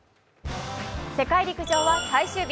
世界陸上は最終日。